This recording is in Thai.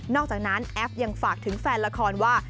อกจากนั้นแอฟยังฝากถึงแฟนละครว่า